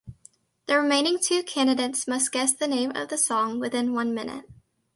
The remaining two candidates must guess the name of the song within one minute.